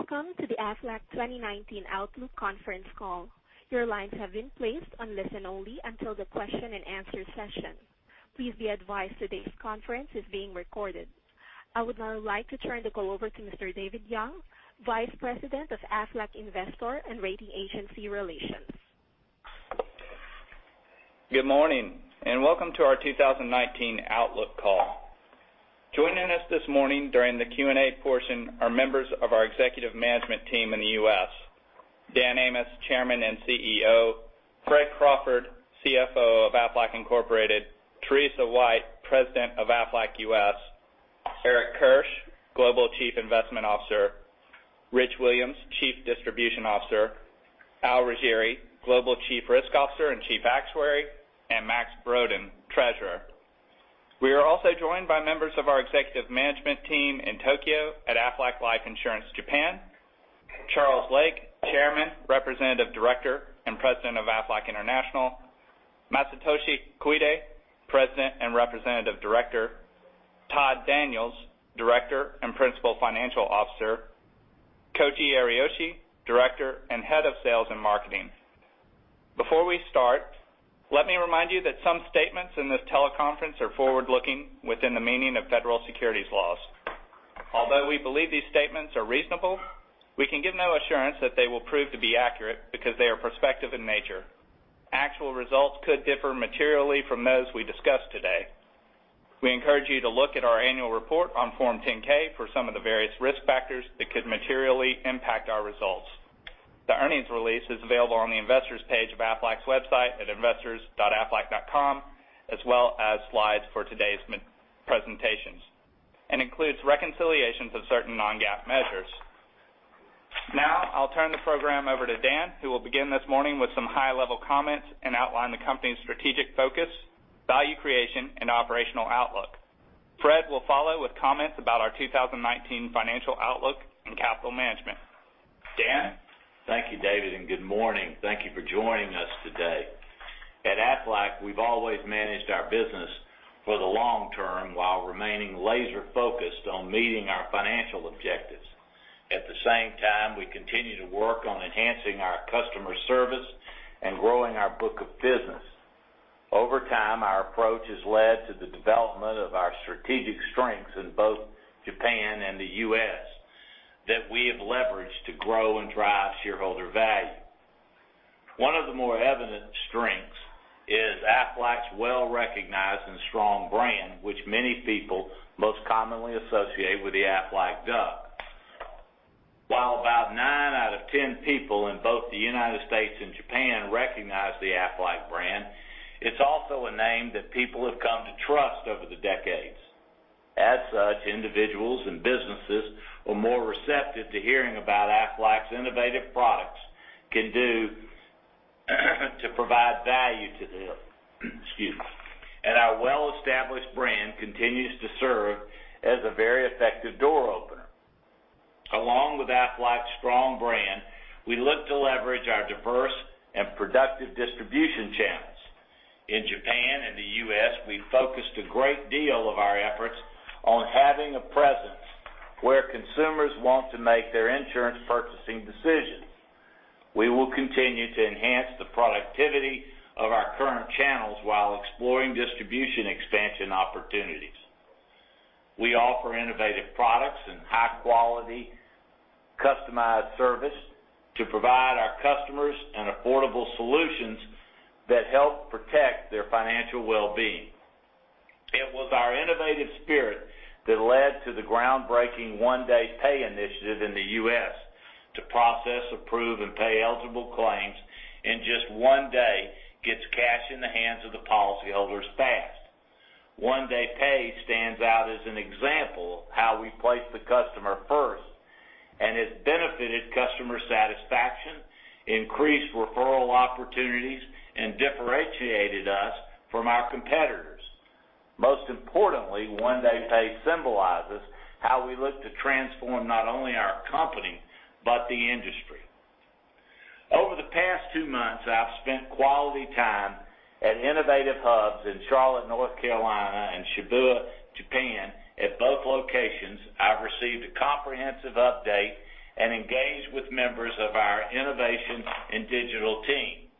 Welcome to the Aflac 2019 Outlook Conference Call. Your lines have been placed on listen only until the question and answer session. Please be advised today's conference is being recorded. I would now like to turn the call over to Mr. David Young, Vice President of Aflac Investor and Rating Agency Relations. Good morning. Welcome to our 2019 Outlook Call. Joining us this morning during the Q&A portion are members of our executive management team in the U.S. Dan Amos, Chairman and CEO, Fred Crawford, CFO of Aflac Incorporated, Teresa White, President of Aflac U.S., Eric Kirsch, Global Chief Investment Officer, Rich Williams, Chief Distribution Officer, Al Riggieri, Global Chief Risk Officer and Chief Actuary, and Max Brodén, Treasurer. We are also joined by members of our executive management team in Tokyo at Aflac Life Insurance Japan, Charles Lake, Chairman, Representative Director, and President of Aflac International, Masatoshi Koide, President and Representative Director, Todd Daniels, Director and Principal Financial Officer, Koji Ariyoshi, Director and Head of Sales and Marketing. Before we start, let me remind you that some statements in this teleconference are forward-looking within the meaning of federal securities laws. Although we believe these statements are reasonable, we can give no assurance that they will prove to be accurate because they are prospective in nature. Actual results could differ materially from those we discuss today. We encourage you to look at our annual report on Form 10-K for some of the various risk factors that could materially impact our results. The earnings release is available on the investors page of Aflac's website at investors.aflac.com, as well as slides for today's presentations, and includes reconciliations of certain non-GAAP measures. Now, I'll turn the program over to Dan, who will begin this morning with some high-level comments and outline the company's strategic focus, value creation, and operational outlook. Fred will follow with comments about our 2019 financial outlook and capital management. Dan? Thank you, David. Good morning. Thank you for joining us today. At Aflac, we've always managed our business for the long term while remaining laser-focused on meeting our financial objectives. At the same time, we continue to work on enhancing our customer service and growing our book of business. Over time, our approach has led to the development of our strategic strengths in both Japan and the U.S. that we have leveraged to grow and drive shareholder value. One of the more evident strengths is Aflac's well-recognized and strong brand, which many people most commonly associate with the Aflac duck. While about nine out of 10 people in both the United States and Japan recognize the Aflac brand, it's also a name that people have come to trust over the decades. As such, individuals and businesses are more receptive to hearing about Aflac's innovative products can do to provide value to them. Excuse me. Our well-established brand continues to serve as a very effective door opener. Along with Aflac's strong brand, we look to leverage our diverse and productive distribution channels. In Japan and the U.S., we focused a great deal of our efforts on having a presence where consumers want to make their insurance purchasing decisions. We will continue to enhance the productivity of our current channels while exploring distribution expansion opportunities. We offer innovative products and high-quality customized service to provide our customers an affordable solution that help protect their financial well-being. It was our innovative spirit that led to the groundbreaking One Day Pay initiative in the U.S. to process, approve, and pay eligible claims in just one day gets cash in the hands of the policyholders fast. One Day Pay stands out as an example of how we place the customer first and has benefited customer satisfaction, increased referral opportunities, and differentiated us from our competitors. Most importantly, One Day Pay symbolizes how we look to transform not only our company but the industry. Over the past two months, I've spent quality time at innovative hubs in Charlotte, North Carolina, and Shibuya, Japan. At both locations, I've received a comprehensive update and engaged with members of our innovation and digital team.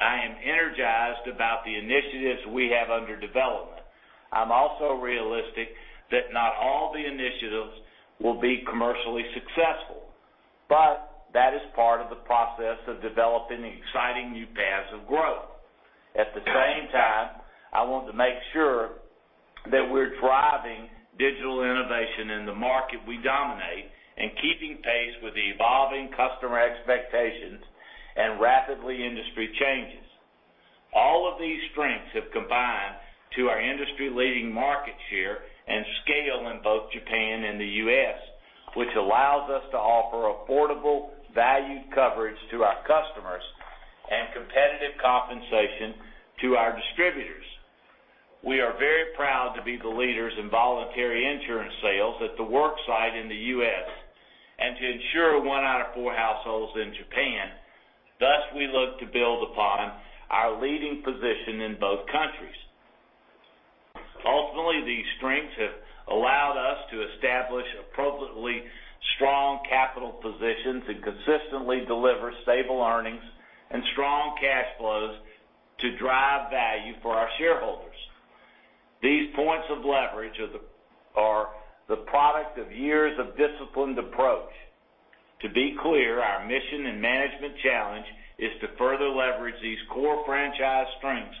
I am energized about the initiatives we have under development. I'm also realistic that not all the initiatives will be commercially successful, but that is part of the process of developing exciting new paths of growth. At the same time, I want to make sure that we're driving digital innovation in the market we dominate and keeping pace with the evolving customer expectations and rapidly industry changes. All of these strengths have combined to our industry-leading market share and scale in both Japan and the U.S., which allows us to offer affordable valued coverage to our customers and competitive compensation to our distributors. We are very proud to be the leaders in voluntary insurance sales at the work site in the U.S. and to insure one out of four households in Japan, thus we look to build upon our leading position in both countries. Ultimately, these strengths have allowed us to establish appropriately strong capital positions and consistently deliver stable earnings and strong cash flows to drive value for our shareholders. These points of leverage are the product of years of disciplined approach. To be clear, our mission and management challenge is to further leverage these core franchise strengths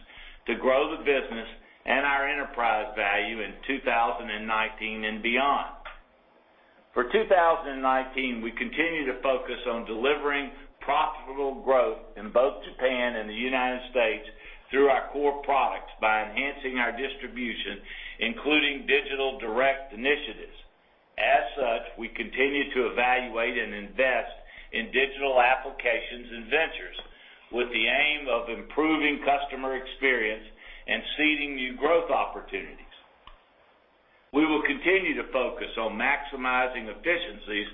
to grow the business and our enterprise value in 2019 and beyond. For 2019, we continue to focus on delivering profitable growth in both Japan and the United States through our core products by enhancing our distribution, including digital direct initiatives. As such, we continue to evaluate and invest in digital applications and ventures with the aim of improving customer experience and seeding new growth opportunities. We will continue to focus on maximizing efficiencies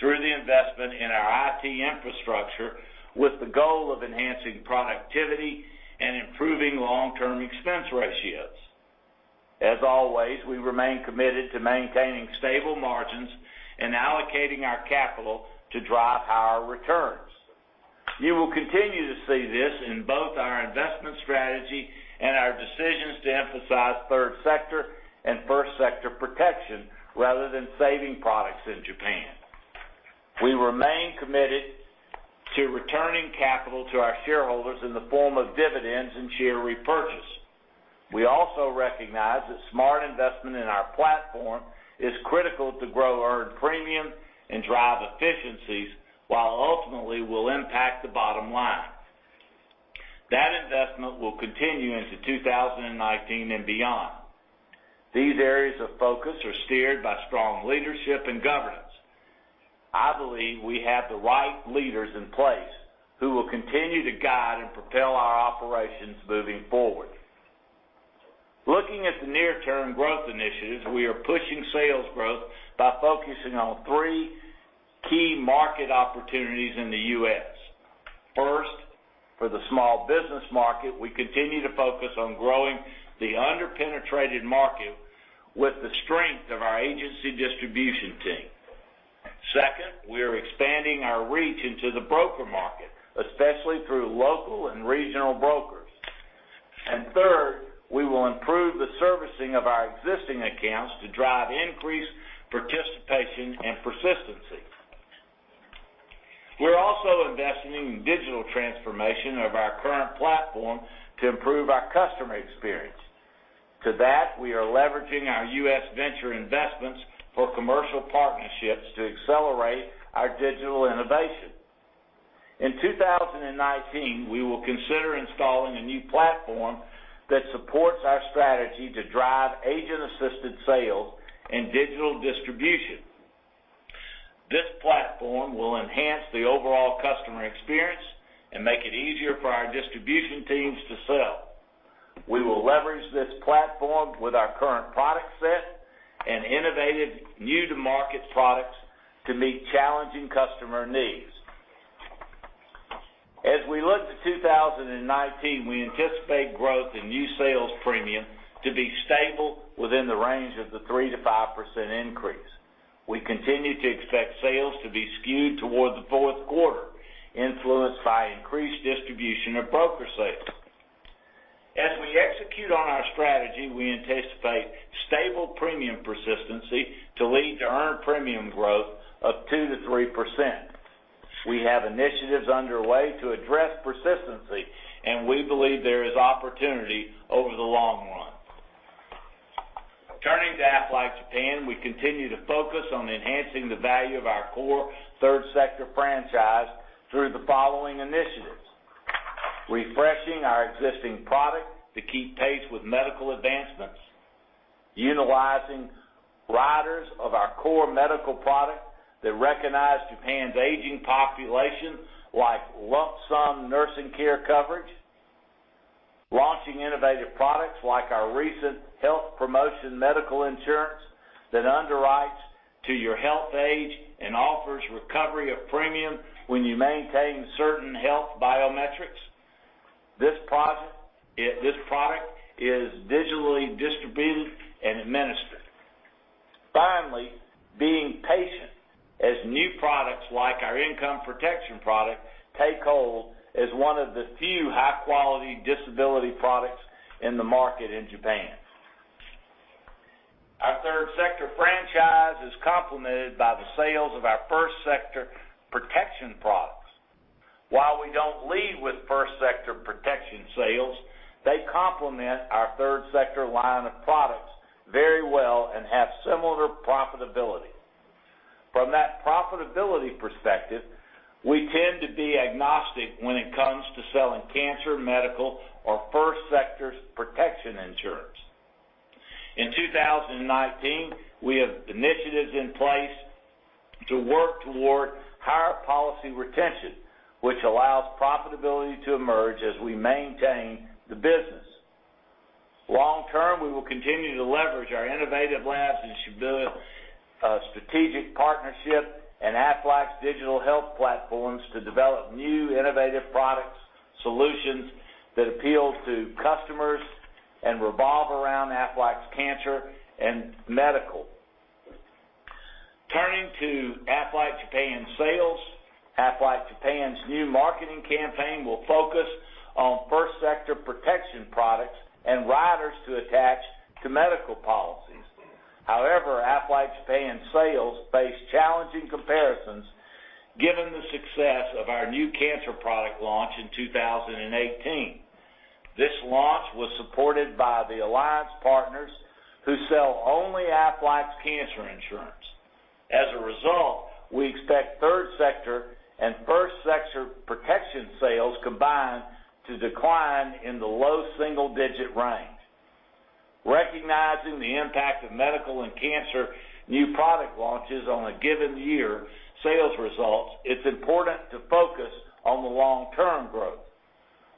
through the investment in our IT infrastructure with the goal of enhancing productivity and improving long-term expense ratios. As always, we remain committed to maintaining stable margins and allocating our capital to drive higher returns. You will continue to see this in both our investment strategy and our decisions to emphasize third sector and first sector protection rather than saving products in Japan. We remain committed to returning capital to our shareholders in the form of dividends and share repurchase. We also recognize that smart investment in our platform is critical to grow earned premium and drive efficiencies, while ultimately will impact the bottom line. That investment will continue into 2019 and beyond. These areas of focus are steered by strong leadership and governance. I believe we have the right leaders in place who will continue to guide and propel our operations moving forward. Looking at the near-term growth initiatives, we are pushing sales growth by focusing on three key market opportunities in the U.S. First, for the small business market, we continue to focus on growing the under-penetrated market with the strength of our agency distribution team. Second, we are expanding our reach into the broker market, especially through local and regional brokers. Third, we will improve the servicing of our existing accounts to drive increased participation and persistency. We're also investing in digital transformation of our current platform to improve our customer experience. To that, we are leveraging our U.S. venture investments for commercial partnerships to accelerate our digital innovation. In 2019, we will consider installing a new platform that supports our strategy to drive agent-assisted sales and digital distribution. This platform will enhance the overall customer experience and make it easier for our distribution teams to sell. We will leverage this platform with our current product set and innovative new-to-market products to meet challenging customer needs. As we look to 2019, we anticipate growth in new sales premium to be stable within the range of the 3%-5% increase. We continue to expect sales to be skewed towards the fourth quarter, influenced by increased distribution of broker sales. As we execute on our strategy, we anticipate stable premium persistency to lead to earned premium growth of 2%-3%. We have initiatives underway to address persistency, and we believe there is opportunity over the long run. Turning to Aflac Japan, we continue to focus on enhancing the value of our core third sector franchise through the following initiatives: refreshing our existing product to keep pace with medical advancements, utilizing riders of our core medical product that recognize Japan's aging population, like lump sum nursing care coverage, launching innovative products like our recent health promotion medical insurance that underwrites to your health age and offers recovery of premium when you maintain certain health biometrics. This product is digitally distributed and administered. Finally, being patient as new products like our income protection product take hold as one of the few high-quality disability products in the market in Japan. Our third sector franchise is complemented by the sales of our first sector protection products. While we don't lead with first sector protection sales, they complement our third sector line of products very well and have similar profitability. From that profitability perspective, we tend to be agnostic when it comes to selling cancer, medical, or first sectors protection insurance. In 2019, we have initiatives in place to work toward higher policy retention, which allows profitability to emerge as we maintain the business. Long term, we will continue to leverage our innovative labs and Shibuya strategic partnership and Aflac's digital health platforms to develop new innovative products solutions that appeal to customers and revolve around Aflac's cancer and medical. Turning to Aflac Japan sales, Aflac Japan's new marketing campaign will focus on first sector protection products and riders to attach to medical policies. Aflac Japan sales face challenging comparisons given the success of our new cancer product launch in 2018. This launch was supported by the alliance partners who sell only Aflac's cancer insurance. As a result, we expect third sector and first sector protection sales combined to decline in the low single-digit range. Recognizing the impact of medical and cancer new product launches on a given year sales results, it's important to focus on the long-term growth.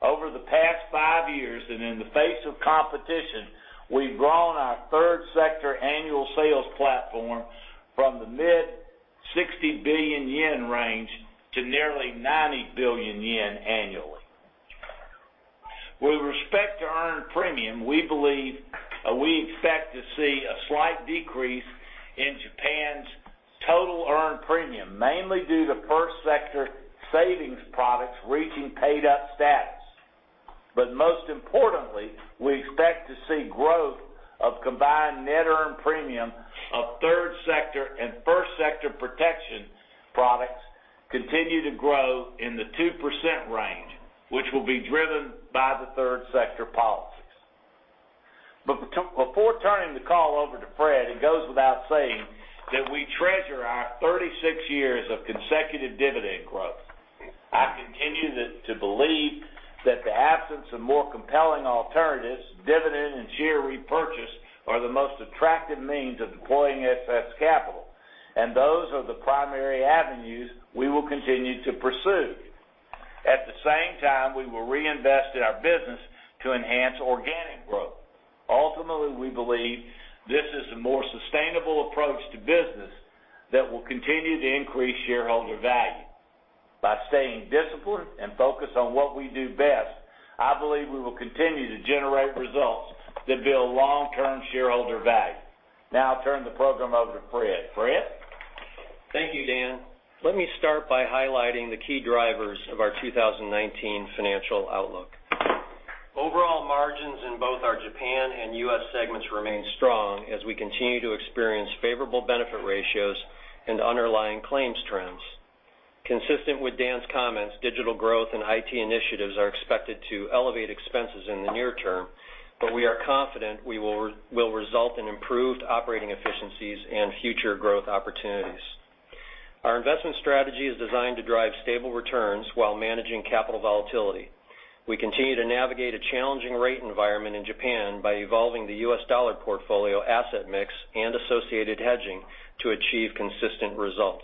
Over the past five years, and in the face of competition, we've grown our third sector annual sales platform from the mid 60 billion yen range to nearly 90 billion yen annually. With respect to earned premium, we expect to see a slight decrease in Japan's total earned premium, mainly due to first sector savings products reaching paid-up status. Most importantly, we expect to see growth of combined net earned premium of third sector and first sector protection products continue to grow in the 2% range, which will be driven by the third sector policies. Before turning the call over to Fred, it goes without saying that we treasure our 36 years of consecutive dividend growth. I continue to believe that the absence of more compelling alternatives, dividend and share repurchase are the most attractive means of deploying AFS capital, and those are the primary avenues we will continue to pursue. At the same time, we will reinvest in our business to enhance organic growth. Ultimately, we believe this is a more sustainable approach to business that will continue to increase shareholder value. By staying disciplined and focused on what we do best, I believe we will continue to generate results that build long-term shareholder value. Now I'll turn the program over to Fred. Fred? Thank you, Dan. Let me start by highlighting the key drivers of our 2019 financial outlook. Overall margins in both our Japan and U.S. segments remain strong as we continue to experience favorable benefit ratios and underlying claims trends. Consistent with Dan's comments, digital growth and IT initiatives are expected to elevate expenses in the near term, but we are confident will result in improved operating efficiencies and future growth opportunities. Our investment strategy is designed to drive stable returns while managing capital volatility. We continue to navigate a challenging rate environment in Japan by evolving the U.S. dollar portfolio asset mix and associated hedging to achieve consistent results.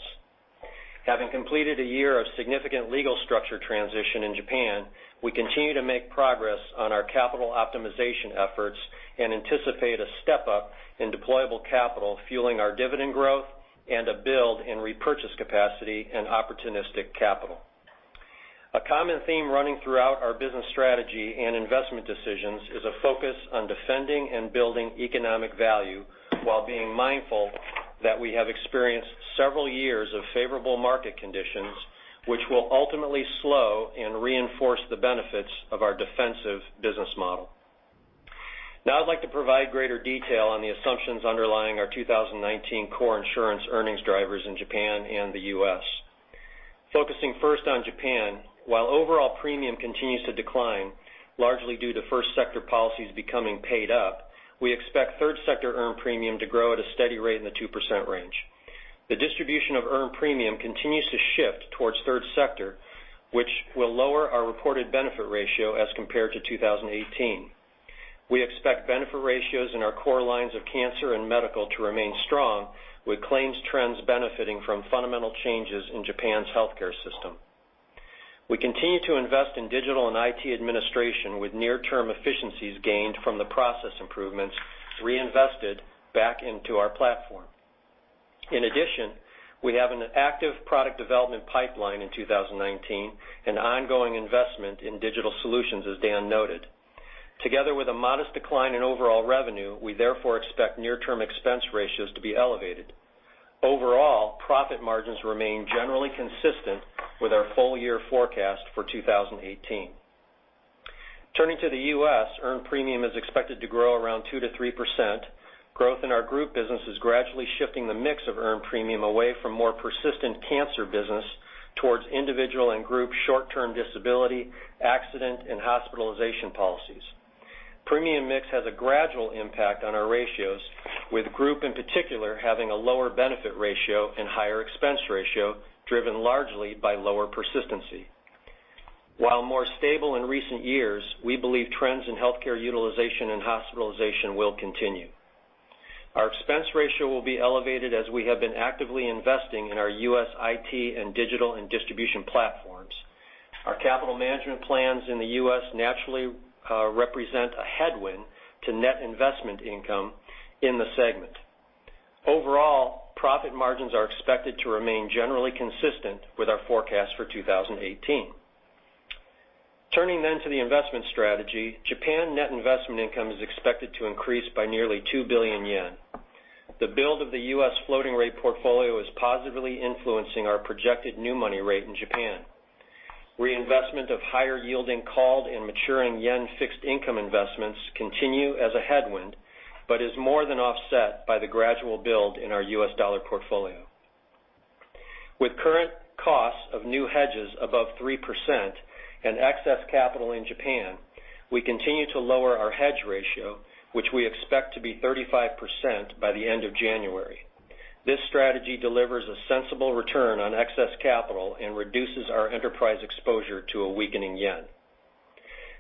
Having completed a year of significant legal structure transition in Japan, we continue to make progress on our capital optimization efforts and anticipate a step-up in deployable capital fueling our dividend growth and a build in repurchase capacity and opportunistic capital. A common theme running throughout our business strategy and investment decisions is a focus on defending and building economic value while being mindful that we have experienced several years of favorable market conditions, which will ultimately slow and reinforce the benefits of our defensive business model. I'd like to provide greater detail on the assumptions underlying our 2019 core insurance earnings drivers in Japan and the U.S. Focusing first on Japan, while overall premium continues to decline, largely due to first sector policies becoming paid up, we expect third sector earned premium to grow at a steady rate in the 2% range. The distribution of earned premium continues to shift towards third sector, which will lower our reported benefit ratio as compared to 2018. We expect benefit ratios in our core lines of cancer and medical to remain strong with claims trends benefiting from fundamental changes in Japan's healthcare system. We continue to invest in digital and IT administration with near-term efficiencies gained from the process improvements reinvested back into our platform. In addition, we have an active product development pipeline in 2019, an ongoing investment in digital solutions, as Dan noted. Together with a modest decline in overall revenue, we therefore expect near-term expense ratios to be elevated. Overall, profit margins remain generally consistent with our full-year forecast for 2018. Turning to the U.S., earned premium is expected to grow around 2%-3%. Growth in our group business is gradually shifting the mix of earned premium away from more persistent cancer business towards individual and group short-term disability, accident, and hospitalization policies. Premium mix has a gradual impact on our ratios, with group, in particular, having a lower benefit ratio and higher expense ratio driven largely by lower persistency. While more stable in recent years, we believe trends in healthcare utilization and hospitalization will continue. Our expense ratio will be elevated as we have been actively investing in our U.S. IT and digital and distribution platforms. Our capital management plans in the U.S. naturally represent a headwind to net investment income in the segment. Overall, profit margins are expected to remain generally consistent with our forecast for 2018. Turning to the investment strategy, Japan net investment income is expected to increase by nearly 2 billion yen. The build of the U.S. floating rate portfolio is positively influencing our projected new money rate in Japan. Reinvestment of higher yielding called and maturing yen fixed income investments continue as a headwind, but is more than offset by the gradual build in our U.S. dollar portfolio. With current costs of new hedges above 3% and excess capital in Japan, we continue to lower our hedge ratio, which we expect to be 35% by the end of January. This strategy delivers a sensible return on excess capital and reduces our enterprise exposure to a weakening yen.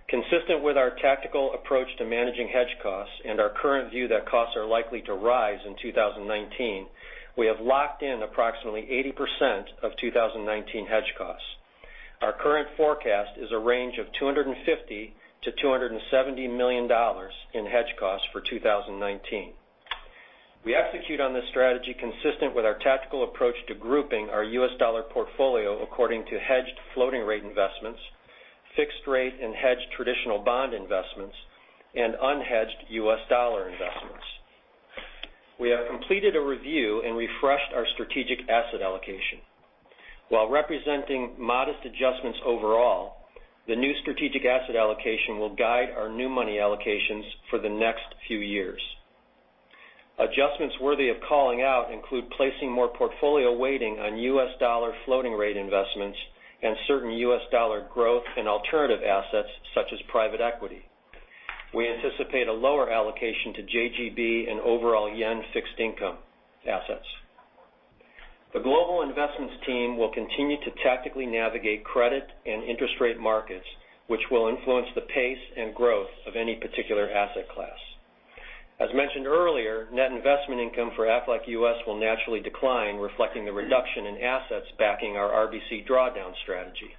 Consistent with our tactical approach to managing hedge costs and our current view that costs are likely to rise in 2019, we have locked in approximately 80% of 2019 hedge costs. Our current forecast is a range of $250 million-$270 million in hedge costs for 2019. We execute on this strategy consistent with our tactical approach to grouping our U.S. dollar portfolio according to hedged floating rate investments, fixed rate and hedged traditional bond investments, and unhedged U.S. dollar investments. We have completed a review and refreshed our strategic asset allocation. While representing modest adjustments overall, the new strategic asset allocation will guide our new money allocations for the next few years. Adjustments worthy of calling out include placing more portfolio weighting on U.S. dollar floating rate investments and certain U.S. dollar growth in alternative assets such as private equity. We anticipate a lower allocation to JGB and overall yen fixed income assets. The global investments team will continue to tactically navigate credit and interest rate markets, which will influence the pace and growth of any particular asset class. As mentioned earlier, net investment income for Aflac U.S. will naturally decline, reflecting the reduction in assets backing our RBC drawdown strategy.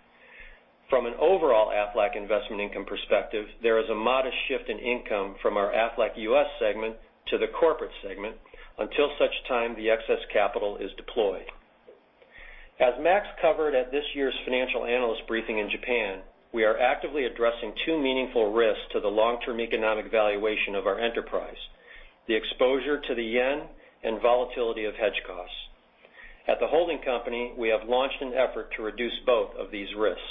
From an overall Aflac investment income perspective, there is a modest shift in income from our Aflac U.S. segment to the corporate segment, until such time the excess capital is deployed. As Max covered at this year's financial analyst briefing in Japan, we are actively addressing two meaningful risks to the long-term economic valuation of our enterprise, the exposure to the yen and volatility of hedge costs. At the holding company, we have launched an effort to reduce both of these risks.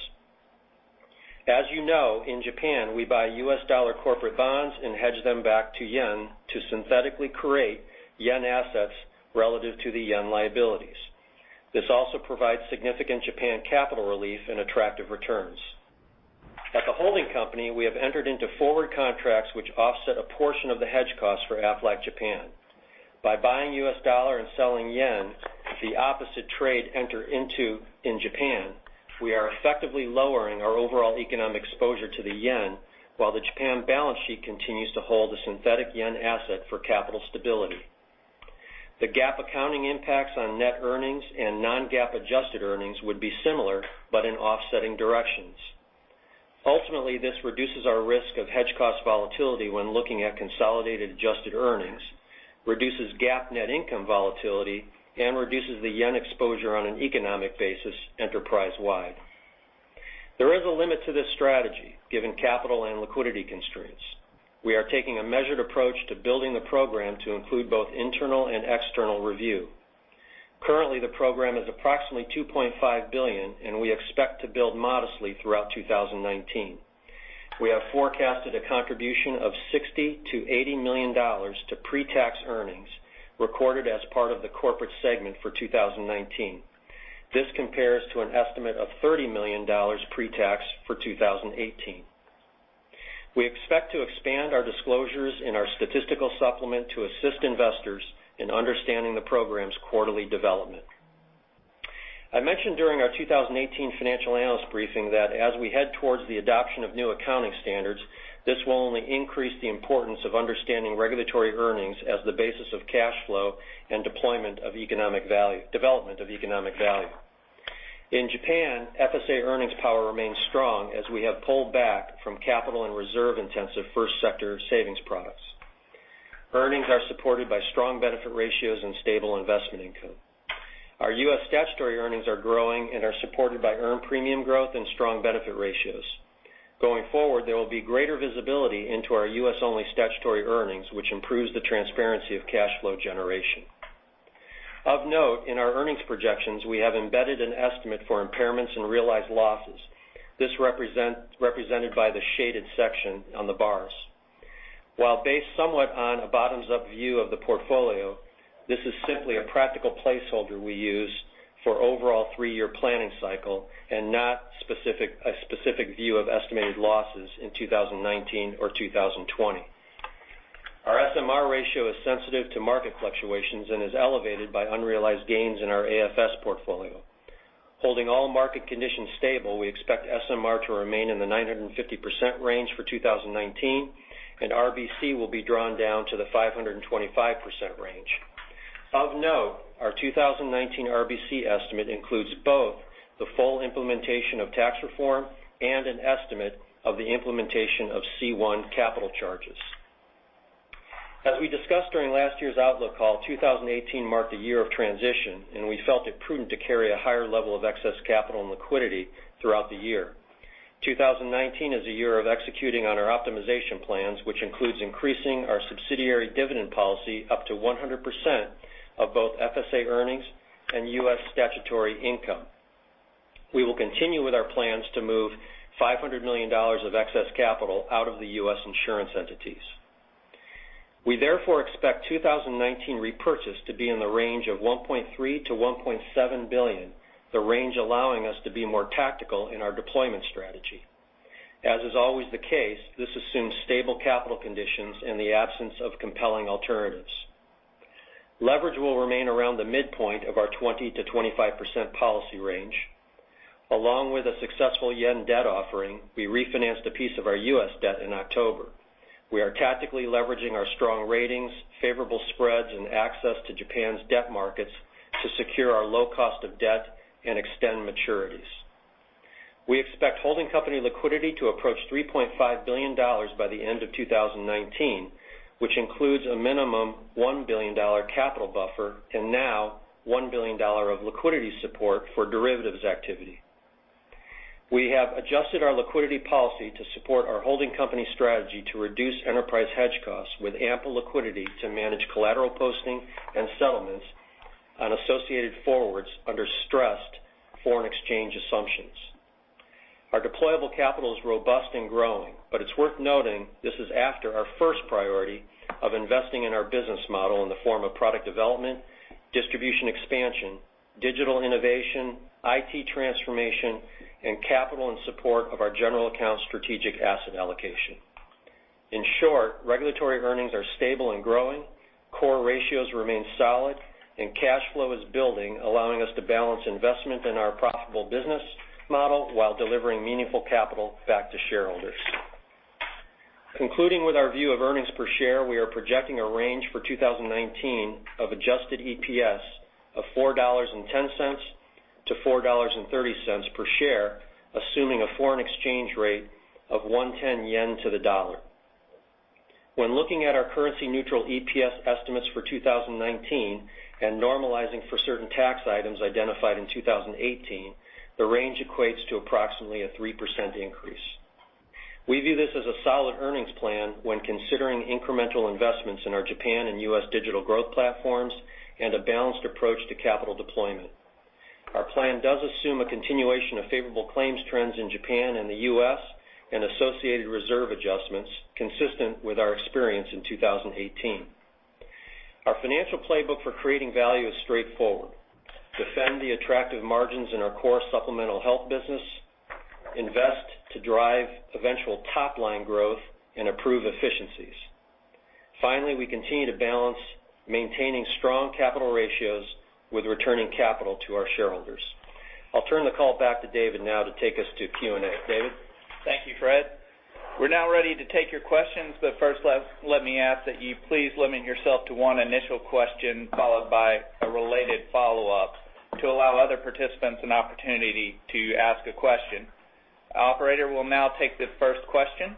As you know, in Japan, we buy U.S. dollar corporate bonds and hedge them back to yen to synthetically create yen assets relative to the yen liabilities. This also provides significant Japan capital relief and attractive returns. At the holding company, we have entered into forward contracts which offset a portion of the hedge costs for Aflac Japan. By buying U.S. dollar and selling yen, the opposite trade enter into in Japan, we are effectively lowering our overall economic exposure to the yen, while the Japan balance sheet continues to hold a synthetic yen asset for capital stability. The GAAP accounting impacts on net earnings and non-GAAP adjusted earnings would be similar, but in offsetting directions. Ultimately, this reduces our risk of hedge cost volatility when looking at consolidated adjusted earnings, reduces GAAP net income volatility, and reduces the yen exposure on an economic basis enterprise-wide. There is a limit to this strategy, given capital and liquidity constraints. We are taking a measured approach to building the program to include both internal and external review. Currently, the program is approximately $2.5 billion, and we expect to build modestly throughout 2019. We have forecasted a contribution of $60 million to $80 million to pre-tax earnings recorded as part of the corporate segment for 2019. This compares to an estimate of $30 million pre-tax for 2018. We expect to expand our disclosures in our statistical supplement to assist investors in understanding the program's quarterly development. I mentioned during our 2018 financial analyst briefing that as we head towards the adoption of new accounting standards, this will only increase the importance of understanding regulatory earnings as the basis of cash flow and development of economic value. In Japan, FSA earnings power remains strong as we have pulled back from capital and reserve intensive first sector savings products. Earnings are supported by strong benefit ratios and stable investment income. Our U.S. statutory earnings are growing and are supported by earned premium growth and strong benefit ratios. Going forward, there will be greater visibility into our U.S. only statutory earnings, which improves the transparency of cash flow generation. Of note, in our earnings projections, we have embedded an estimate for impairments and realized losses. This represented by the shaded section on the bars. While based somewhat on a bottoms-up view of the portfolio, this is simply a practical placeholder we use for overall three-year planning cycle and not a specific view of estimated losses in 2019 or 2020. Our SMR ratio is sensitive to market fluctuations and is elevated by unrealized gains in our AFS portfolio. Holding all market conditions stable, we expect SMR to remain in the 950% range for 2019, and RBC will be drawn down to the 525% range. Of note, our 2019 RBC estimate includes both the full implementation of tax reform and an estimate of the implementation of C1 capital charges. As we discussed during last year's outlook call, 2018 marked a year of transition, and we felt it prudent to carry a higher level of excess capital and liquidity throughout the year. 2019 is a year of executing on our optimization plans, which includes increasing our subsidiary dividend policy up to 100% of both FSA earnings and U.S. statutory income. We will continue with our plans to move $500 million of excess capital out of the U.S. insurance entities. We therefore expect 2019 repurchase to be in the range of $1.3 billion-$1.7 billion, the range allowing us to be more tactical in our deployment strategy. As is always the case, this assumes stable capital conditions in the absence of compelling alternatives. Leverage will remain around the midpoint of our 20%-25% policy range. Along with a successful JPY debt offering, we refinanced a piece of our U.S. debt in October. We are tactically leveraging our strong ratings, favorable spreads, and access to Japan's debt markets to secure our low cost of debt and extend maturities. We expect holding company liquidity to approach $3.5 billion by the end of 2019, which includes a minimum $1 billion capital buffer and now $1 billion of liquidity support for derivatives activity. We have adjusted our liquidity policy to support our holding company strategy to reduce enterprise hedge costs with ample liquidity to manage collateral posting and settlements on associated forwards under stressed foreign exchange assumptions. Our deployable capital is robust and growing, but it's worth noting this is after our first priority of investing in our business model in the form of product development, distribution expansion, digital innovation, IT transformation, and capital and support of our general account strategic asset allocation. In short, regulatory earnings are stable and growing, core ratios remain solid, and cash flow is building, allowing us to balance investment in our profitable business model while delivering meaningful capital back to shareholders. Concluding with our view of earnings per share, we are projecting a range for 2019 of adjusted EPS of $4.10-$4.30 per share, assuming a foreign exchange rate of 110 yen to the dollar. When looking at our currency neutral EPS estimates for 2019 and normalizing for certain tax items identified in 2018, the range equates to approximately a 3% increase. We view this as a solid earnings plan when considering incremental investments in our Japan and U.S. digital growth platforms and a balanced approach to capital deployment. Our plan does assume a continuation of favorable claims trends in Japan and the U.S. and associated reserve adjustments consistent with our experience in 2018. Our financial playbook for creating value is straightforward. Defend the attractive margins in our core supplemental health business, invest to drive eventual top-line growth, and improve efficiencies. Finally, we continue to balance maintaining strong capital ratios with returning capital to our shareholders. I'll turn the call back to David now to take us to Q&A. David? Thank you, Fred. We're now ready to take your questions. First let me ask that you please limit yourself to one initial question followed by a related follow-up to allow other participants an opportunity to ask a question. Operator, we'll now take the first question.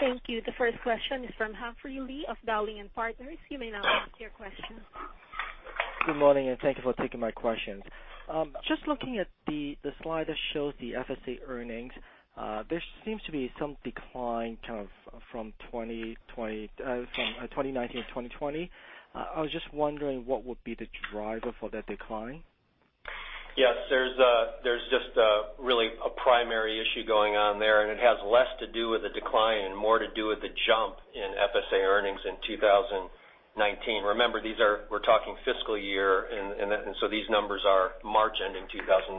Thank you. The first question is from Humphrey Lee of Dowling & Partners. You may now ask your question. Good morning. Thank you for taking my questions. Just looking at the slide that shows the FSA earnings, there seems to be some decline from 2019 to 2020. I was just wondering what would be the driver for that decline? Yes. There's just really a primary issue going on there, and it has less to do with the decline and more to do with the jump in FSA earnings in 2019. Remember, we're talking fiscal year. These numbers are March ending 2019.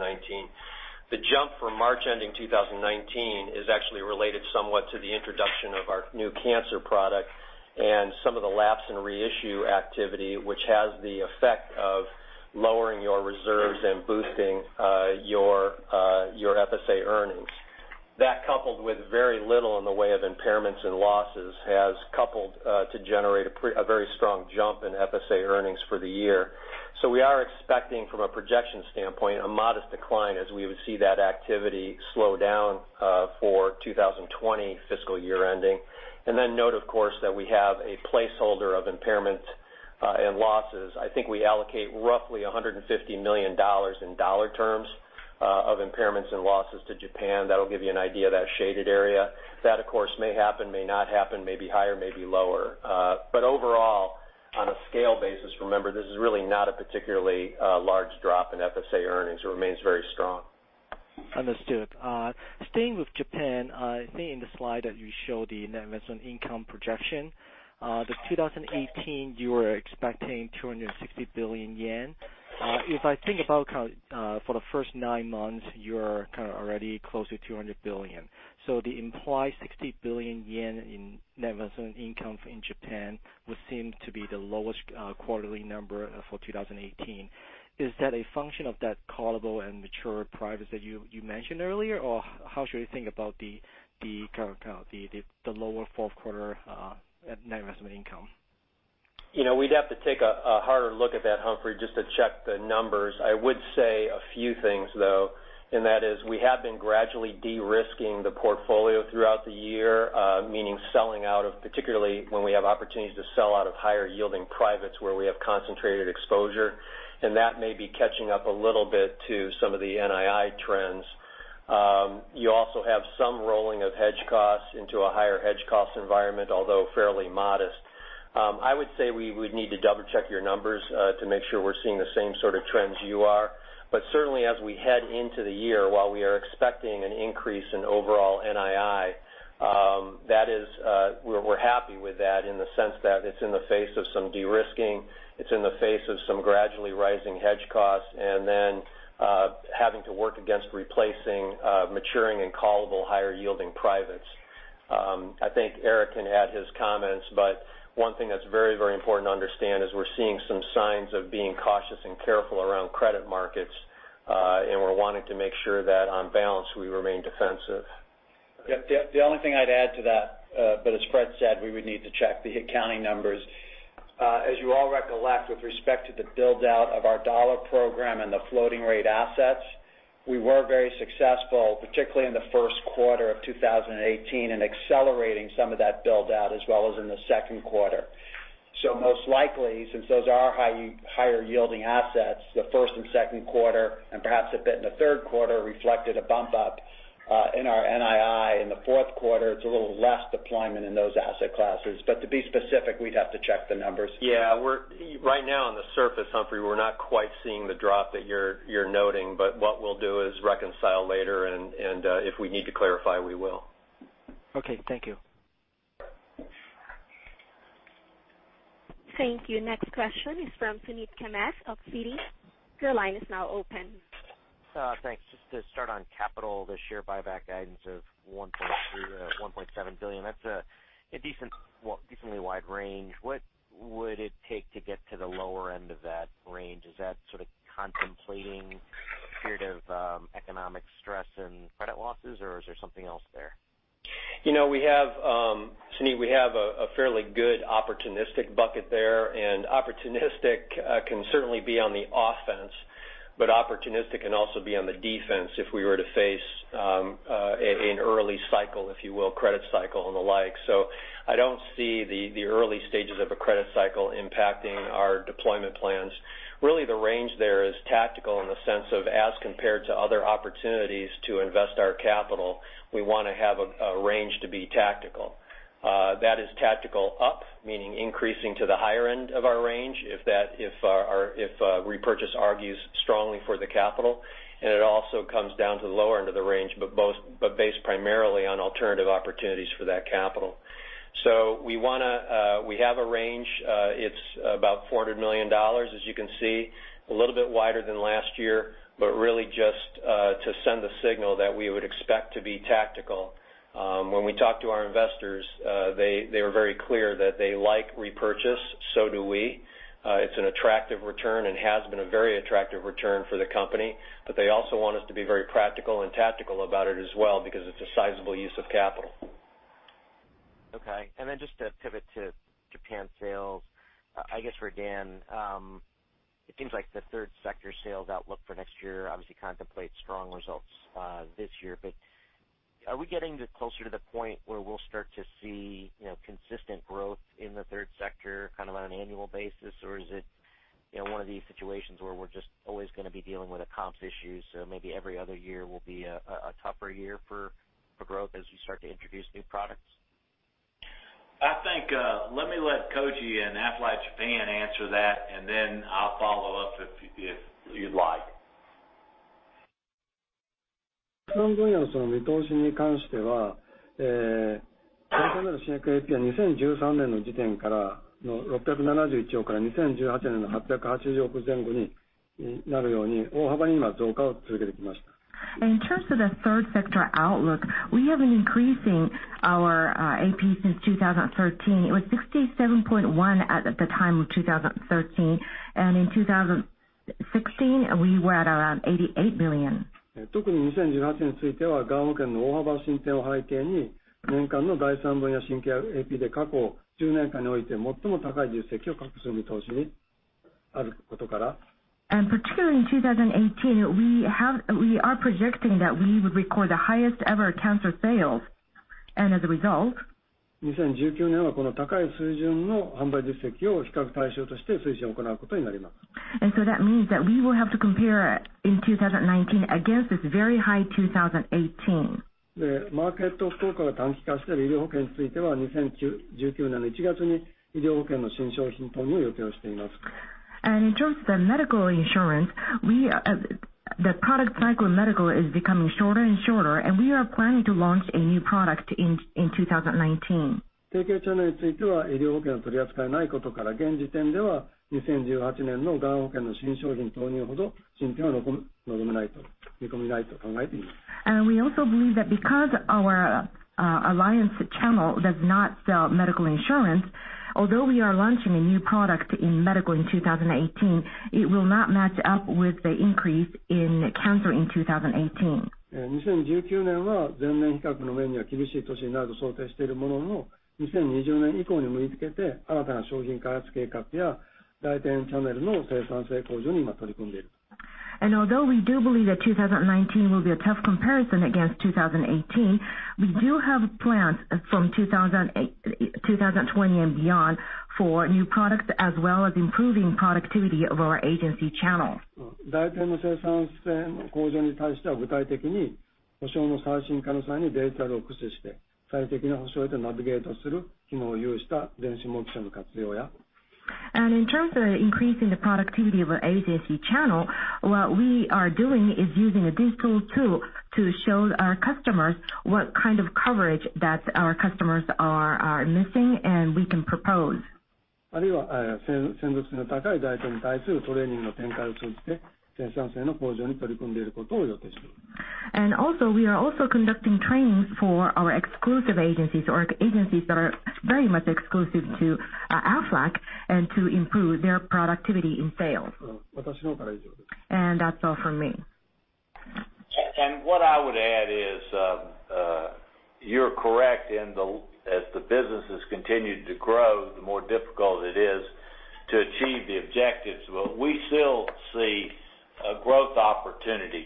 The jump for March ending 2019 is actually related somewhat to the introduction of our new cancer product and some of the lapse and reissue activity, which has the effect of lowering your reserves and boosting your FSA earnings. That, coupled with very little in the way of impairments and losses, has coupled to generate a very strong jump in FSA earnings for the year. We are expecting, from a projection standpoint, a modest decline as we would see that activity slow down for 2020 fiscal year ending. Note, of course, that we have a placeholder of impairment and losses. I think we allocate roughly $150 million in dollar terms of impairments and losses to Japan. That'll give you an idea of that shaded area. That, of course, may happen, may not happen, may be higher, may be lower. Overall, on a scale basis, remember, this is really not a particularly large drop in FSA earnings. It remains very strong. Understood. Staying with Japan, I think in the slide that you show the net investment income projection, the 2018, you were expecting ¥260 billion. If I think about for the first nine months, you're already close to ¥200 billion. The implied ¥60 billion in net investment income in Japan would seem to be the lowest quarterly number for 2018. Is that a function of that callable and mature private that you mentioned earlier, or how should we think about the lower fourth quarter net investment income? We'd have to take a harder look at that, Humphrey, just to check the numbers. I would say a few things, though, and that is we have been gradually de-risking the portfolio throughout the year, meaning selling out of, particularly when we have opportunities to sell out of higher yielding privates where we have concentrated exposure. That may be catching up a little bit to some of the NII trends. You also have some rolling of hedge costs into a higher hedge cost environment, although fairly modest. I would say we would need to double check your numbers to make sure we're seeing the same sort of trends you are. As we head into the year, while we are expecting an increase in overall NII, we're happy with that in the sense that it's in the face of some de-risking, it's in the face of some gradually rising hedge costs, and then having to work against replacing maturing and callable higher yielding privates. I think Eric can add his comments, but one thing that's very important to understand is we're seeing some signs of being cautious and careful around credit markets. We're wanting to make sure that on balance, we remain defensive. Yep. The only thing I'd add to that, but as Fred said, we would need to check the accounting numbers. As you all recollect, with respect to the build-out of our dollar program and the floating rate assets, we were very successful, particularly in the first quarter of 2018, in accelerating some of that build-out as well as in the second quarter. Most likely, since those are higher yielding assets, the first and second quarter, and perhaps a bit in the third quarter, reflected a bump up in our NII. In the fourth quarter, it's a little less deployment in those asset classes. To be specific, we'd have to check the numbers. Yeah. Right now on the surface, Humphrey, we're not quite seeing the drop that you're noting, but what we'll do is reconcile later, and if we need to clarify, we will. Okay. Thank you. Thank you. Next question is from Suneet Kamath of Citi. Your line is now open. Thanks. Just to start on capital, the share buyback guidance of $1.3 billion-$1.7 billion, that's a decently wide range. What would it take to get to the lower end of that range? Is that sort of contemplating a period of economic stress and credit losses, or is there something else there? Suneet, we have a fairly good opportunistic bucket there. Opportunistic can certainly be on the offense, opportunistic can also be on the defense if we were to face an early cycle, if you will, credit cycle and the like. I don't see the early stages of a credit cycle impacting our deployment plans. Really, the range there is tactical in the sense of as compared to other opportunities to invest our capital, we want to have a range to be tactical. That is tactical up, meaning increasing to the higher end of our range if repurchase argues strongly for the capital. It also comes down to the lower end of the range, based primarily on alternative opportunities for that capital. We have a range. It's about $400 million, as you can see, a little bit wider than last year, really just to send the signal that we would expect to be tactical. When we talked to our investors, they were very clear that they like repurchase. Do we. It's an attractive return and has been a very attractive return for the company. They also want us to be very practical and tactical about it as well because it's a sizable use of capital. Okay. Just to pivot to Japan sales, I guess for Dan. It seems like the third sector sales outlook for next year obviously contemplates strong results this year. Are we getting closer to the point where we'll start to see consistent growth in the third sector on an annual basis? Is it one of these situations where we're just always going to be dealing with a comps issue, so maybe every other year will be a tougher year for growth as you start to introduce new products? Let me let Koji and Aflac Japan answer that. I'll follow up if you'd like. In terms of the third sector outlook, we have been increasing our AP since 2013. It was JPY 67.1 at the time of 2013, in 2016 we were at around 88 billion. Particularly in 2018, we are projecting that we would record the highest ever cancer sales. That means that we will have to compare in 2019 against this very high 2018. In terms of the medical insurance, the product cycle in medical is becoming shorter and shorter, we are planning to launch a new product in 2019. We also believe that because our alliance channel does not sell medical insurance, although we are launching a new product in medical in 2018, it will not match up with the increase in cancer in 2018. Although we do believe that 2019 will be a tough comparison against 2018, we do have plans from 2020 and beyond for new products, as well as improving productivity of our agency channels. In terms of increasing the productivity of our agency channel, what we are doing is using a digital tool to show our customers what kind of coverage that our customers are missing, and we can propose. Also we are also conducting trainings for our exclusive agencies or agencies that are very much exclusive to Aflac and to improve their productivity in sales. That's all from me. What I would add is, you're correct as the business has continued to grow, the more difficult it is to achieve the objectives. We still see a growth opportunity.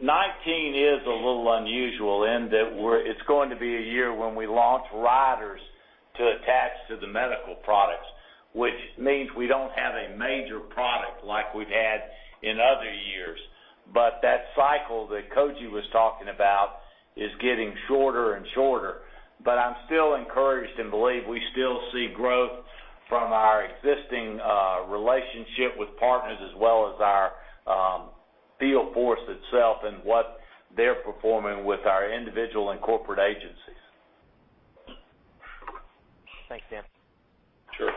19 is a little unusual in that it's going to be a year when we launch riders to attach to the medical products, which means we don't have a major product like we've had in other years. That cycle that Koji was talking about is getting shorter and shorter. I'm still encouraged and believe we still see growth from our existing relationship with partners as well as our field force itself and what they're performing with our individual and corporate agencies. Thanks, Dan. Sure.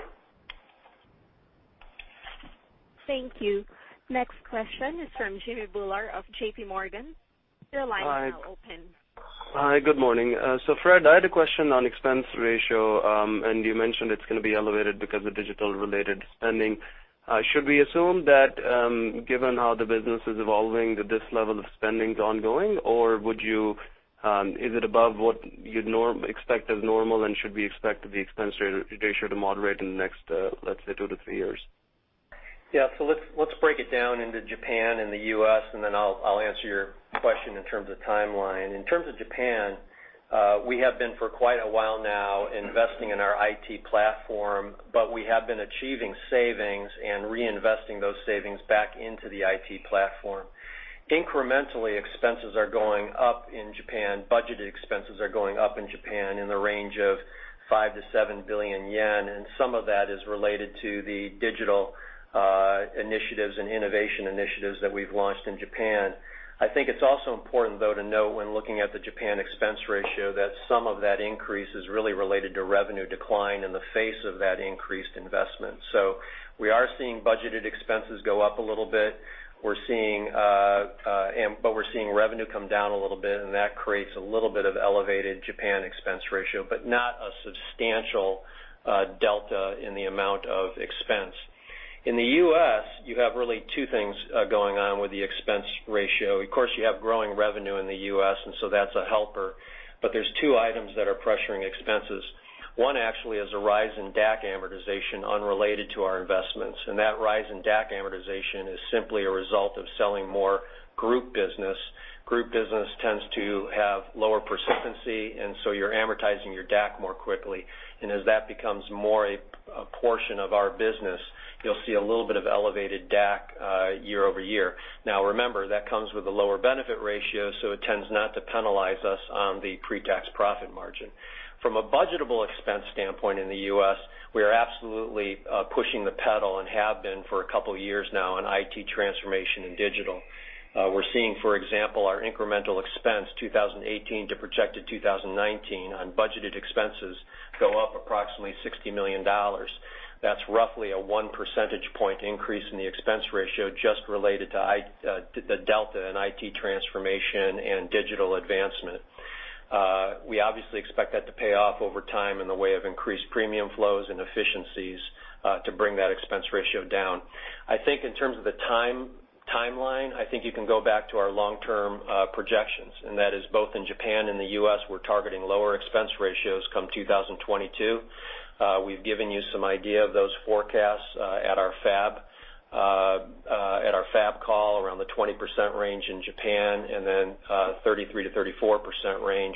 Thank you. Next question is from Jimmy Bhullar of J.P. Morgan. Your line is now open. Hi, good morning. Fred, I had a question on expense ratio. You mentioned it's going to be elevated because of digital related spending. Should we assume that, given how the business is evolving that this level of spending is ongoing, or is it above what you'd expect as normal, and should we expect the expense ratio to moderate in the next, let's say, two to three years? Yeah. Let's break it down into Japan and the U.S., and then I'll answer your question in terms of timeline. In terms of Japan, we have been for quite a while now investing in our IT platform, but we have been achieving savings and reinvesting those savings back into the IT platform. Incrementally, expenses are going up in Japan. Budgeted expenses are going up in Japan in the range of 5 billion-7 billion yen, and some of that is related to the digital initiatives and innovation initiatives that we've launched in Japan. I think it's also important, though, to note when looking at the Japan expense ratio, that some of that increase is really related to revenue decline in the face of that increased investment. We are seeing budgeted expenses go up a little bit. We're seeing revenue come down a little bit, and that creates a little bit of elevated Japan expense ratio, but not a substantial delta in the amount of expense. In the U.S., you have really two things going on with the expense ratio. Of course, you have growing revenue in the U.S., that's a helper. There's two items that are pressuring expenses. One actually is a rise in DAC amortization unrelated to our investments, and that rise in DAC amortization is simply a result of selling more group business. Group business tends to have lower persistency, you're amortizing your DAC more quickly. As that becomes more a portion of our business, you'll see a little bit of elevated DAC year-over-year. Now remember, that comes with a lower benefit ratio, so it tends not to penalize us on the pre-tax profit margin. From a budgetable expense standpoint in the U.S., we are absolutely pushing the pedal and have been for a couple of years now on IT transformation and digital. We're seeing, for example, our incremental expense 2018 to projected 2019 on budgeted expenses go up approximately $60 million. That's roughly a one percentage point increase in the expense ratio just related to the delta in IT transformation and digital advancement. We obviously expect that to pay off over time in the way of increased premium flows and efficiencies, to bring that expense ratio down. I think in terms of the timeline, I think you can go back to our long-term projections, and that is both in Japan and the U.S., we're targeting lower expense ratios come 2022. We've given you some idea of those forecasts at our FAB call around the 20% range in Japan and then 33%-34% range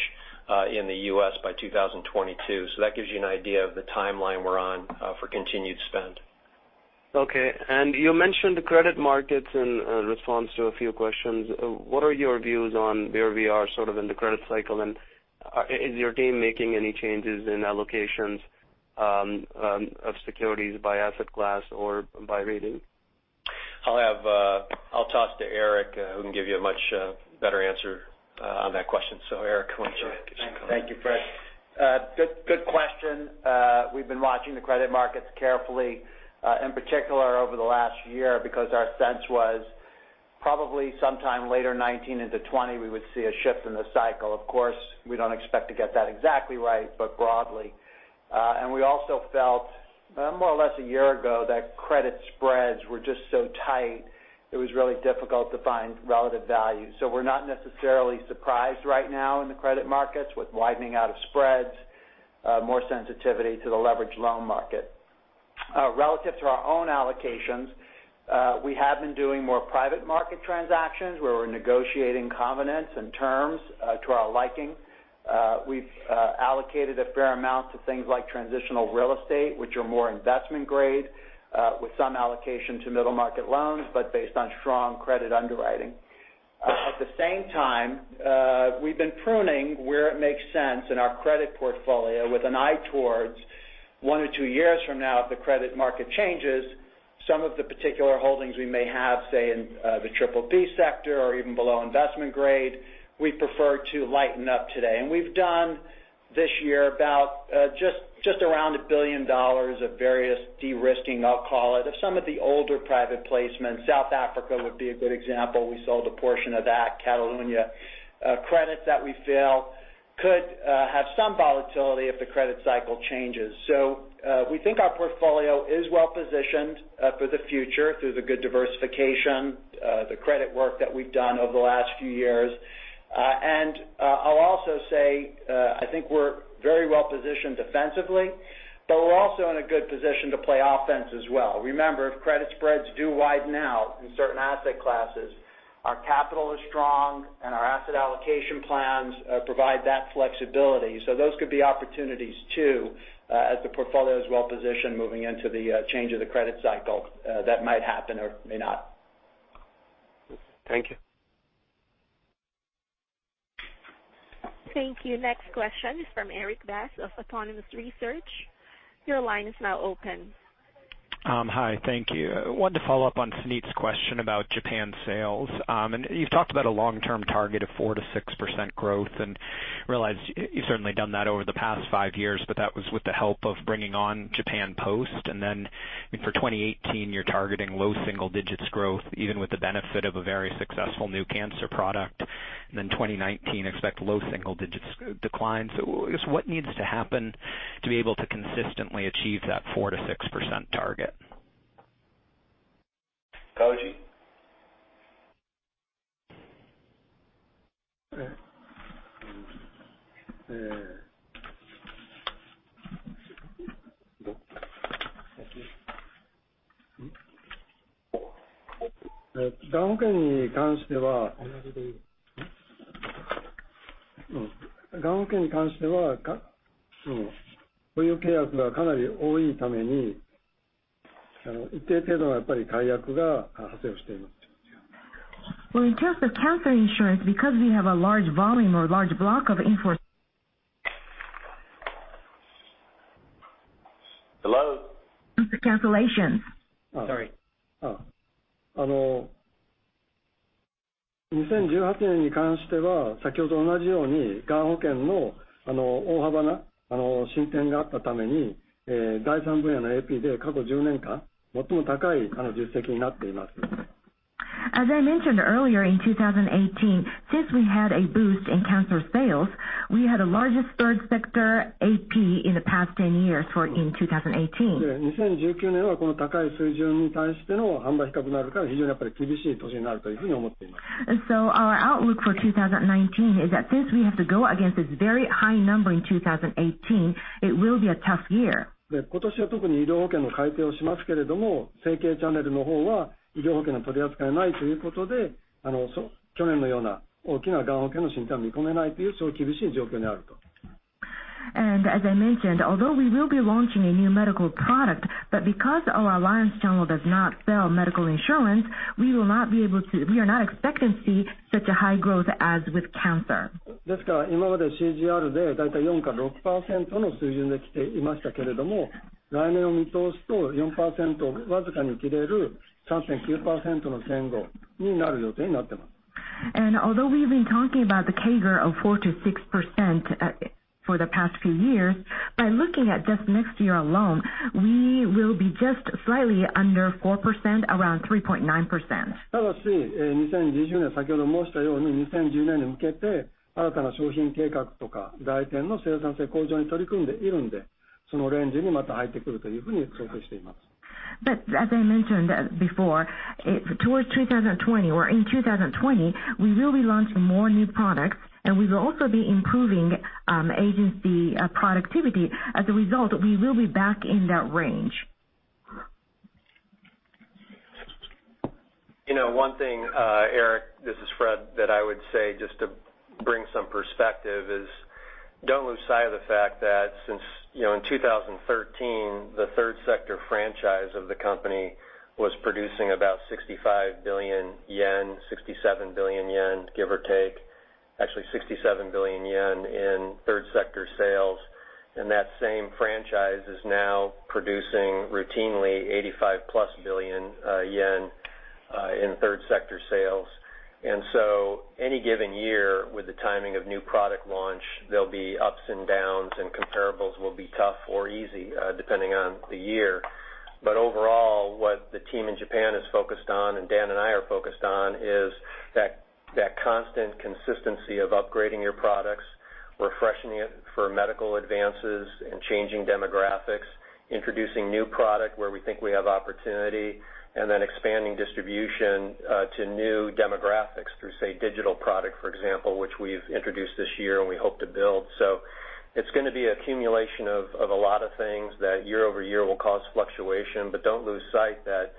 in the U.S. by 2022. That gives you an idea of the timeline we're on for continued spend. You mentioned the credit markets in response to a few questions. What are your views on where we are sort of in the credit cycle, and is your team making any changes in allocations of securities by asset class or by rating? I'll toss to Eric, who can give you a much better answer on that question. Eric, why don't you answer? Thank you, Fred. Good question. We've been watching the credit markets carefully, in particular over the last year because our sense was probably sometime later 2019 into 2020, we would see a shift in the cycle. Of course, we don't expect to get that exactly right, but broadly. We also felt, more or less a year ago, that credit spreads were just so tight, it was really difficult to find relative value. We're not necessarily surprised right now in the credit markets with widening out of spreads, more sensitivity to the leverage loan market. Relative to our own allocations, we have been doing more private market transactions where we're negotiating covenants and terms to our liking. We've allocated a fair amount to things like transitional real estate, which are more investment-grade, with some allocation to middle-market loans, but based on strong credit underwriting. At the same time, we've been pruning where it makes sense in our credit portfolio with an eye towards one to two years from now if the credit market changes. Some of the particular holdings we may have, say, in the triple B sector or even below investment grade, we prefer to lighten up today. We've done this year about just around JPY 1 billion of various de-risking, I'll call it, of some of the older private placements. South Africa would be a good example. We sold a portion of that. Catalonia credits that we feel could have some volatility if the credit cycle changes. We think our portfolio is well-positioned for the future through the good diversification, the credit work that we've done over the last few years. I'll also say, I think we're very well-positioned defensively, but we're also in a good position to play offense as well. Remember, if credit spreads do widen out in certain asset classes, our capital is strong, and our asset allocation plans provide that flexibility. Those could be opportunities, too, as the portfolio is well-positioned moving into the change of the credit cycle that might happen or may not. Thank you. Thank you. Next question is from Erik Bass of Autonomous Research. Your line is now open. Hi, thank you. I wanted to follow up on Suneet's question about Japan sales. You've talked about a long-term target of 4%-6% growth, and realized you've certainly done that over the past five years, but that was with the help of bringing on Japan Post. Then for 2018, you're targeting low single digits growth, even with the benefit of a very successful new cancer product. Then 2019, expect low single digits decline. I guess what needs to happen to be able to consistently achieve that 4%-6% target? Koji? In terms of cancer insurance, because we have a large volume or large block of in-force. Hello? Cancellations. Sorry. As I mentioned earlier in 2018, since we had a boost in cancer sales, we had the largest third sector AP in the past 10 years for in 2018. Our outlook for 2019 is that since we have to go against this very high number in 2018, it will be a tough year. As I mentioned, although we will be launching a new medical product, but because our alliance channel does not sell medical insurance, we are not expecting to see such a high growth as with cancer. Although we've been talking about the CAGR of 4%-6% for the past few years, by looking at just next year alone, we will be just slightly under 4%, around 3.9%. As I mentioned before, towards 2020 or in 2020, we will be launching more new products, and we will also be improving agency productivity. As a result, we will be back in that range. One thing, Eric, this is Fred, that I would say just to bring some perspective is don't lose sight of the fact that since in 2013, the third sector franchise of the company was producing about 65 billion yen, 67 billion yen, give or take. Actually, 67 billion yen in third sector sales. That same franchise is now producing routinely 85+ billion yen in third sector sales. Any given year with the timing of new product launch, there'll be ups and downs, and comparables will be tough or easy depending on the year. Overall, what the team in Japan is focused on, and Dan and I are focused on, is that constant consistency of upgrading your products, refreshing it for medical advances and changing demographics, introducing new product where we think we have opportunity, and then expanding distribution to new demographics through, say, digital product, for example, which we've introduced this year and we hope to build. So It's going to be an accumulation of a lot of things that year-over-year will cause fluctuation. Don't lose sight that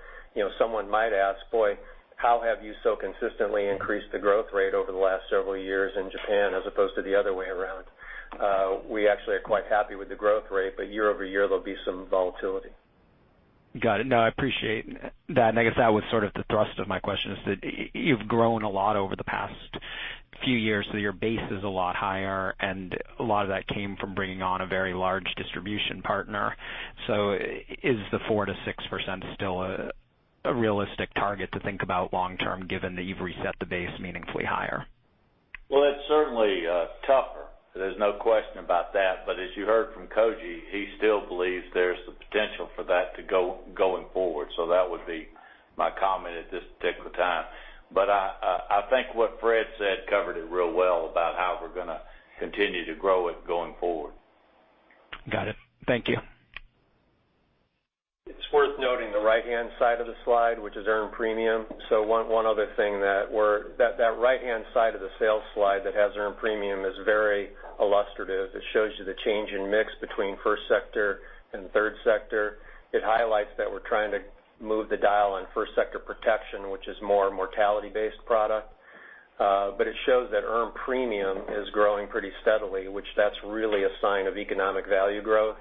someone might ask, "Boy, how have you so consistently increased the growth rate over the last several years in Japan as opposed to the other way around?" We actually are quite happy with the growth rate, year-over-year, there'll be some volatility. Got it. No, I appreciate that. I guess that was sort of the thrust of my question is that you've grown a lot over the past few years, so your base is a lot higher, and a lot of that came from bringing on a very large distribution partner. Is the 4%-6% still a realistic target to think about long term, given that you've reset the base meaningfully higher? Well, it's certainly tougher. There's no question about that. As you heard from Koji, he still believes there's the potential for that to go going forward. That would be my comment at this particular time. I think what Fred said covered it real well about how we're going to continue to grow it going forward. Got it. Thank you. It's worth noting the right-hand side of the slide, which is earned premium. One other thing, that right-hand side of the sales slide that has earned premium is very illustrative. It shows you the change in mix between first sector and third sector. It highlights that we're trying to move the dial on first sector protection, which is more a mortality-based product. It shows that earned premium is growing pretty steadily, which that's really a sign of economic value growth.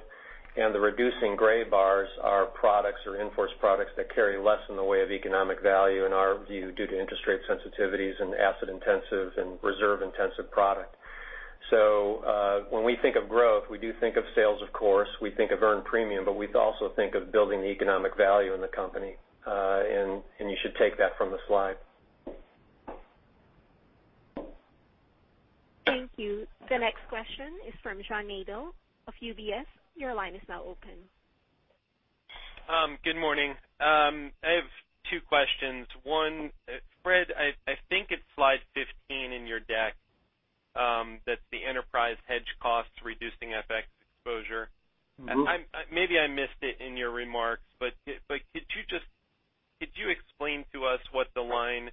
The reducing gray bars are products or in-force products that carry less in the way of economic value in our view, due to interest rate sensitivities and asset-intensive and reserve-intensive product. When we think of growth, we do think of sales, of course, we think of earned premium, but we also think of building the economic value in the company. You should take that from the slide. Thank you. The next question is from John Nadel of UBS. Your line is now open. Good morning. I have two questions. One, Fred, I think it's slide 15 in your deck, that's the enterprise hedge costs reducing FX exposure. Maybe I missed it in your remarks, could you explain to us what the line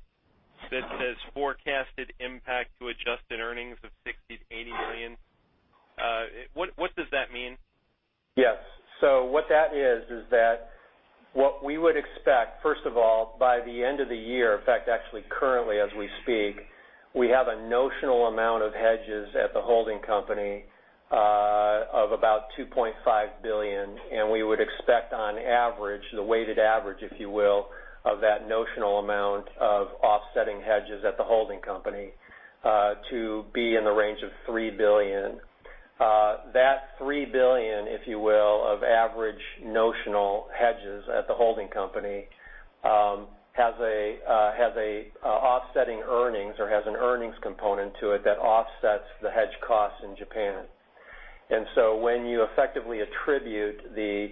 that says forecasted impact to Adjusted Earnings of $60 million-$80 million, what does that mean? Yes. What that is, what we would expect, first of all, by the end of the year, in fact, actually currently as we speak, we have a notional amount of hedges at the holding company of about $2.5 billion, we would expect on average, the weighted average, if you will, of that notional amount of offsetting hedges at the holding company to be in the range of $3 billion. That $3 billion, if you will, of average notional hedges at the holding company has offsetting earnings or has an earnings component to it that offsets the hedge costs in Japan. When you effectively attribute the